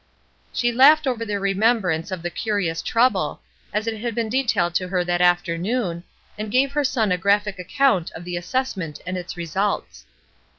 " She laughed over the remembrance of the curious trouble, as it had been detailed to her that afternoon, and gave her son a graphic account of the assessment and its results.